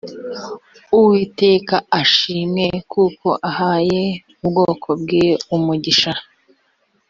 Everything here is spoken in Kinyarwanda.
uwiteka ashimwe kuko ahaye ubwoko bwe umugisha